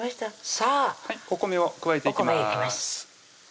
さぁお米を加えていきます